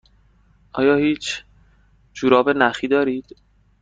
آیا هیچ جوراب نخی دارید؟